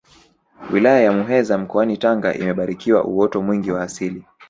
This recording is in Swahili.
wilaya ya muheza mkoani tanga imebarikiwa uoto mwingi wa asili